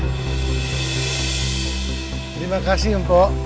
terima kasih mpo